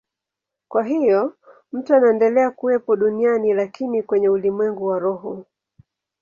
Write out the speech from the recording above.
Kwa hiyo mtu anaendelea kuwepo duniani, lakini kwenye ulimwengu wa roho.